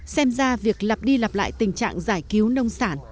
xem ra việc lặp đi lặp lại tình trạng giải cứu nông sản